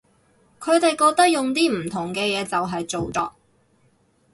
佢哋覺得用啲唔同嘅嘢就係造作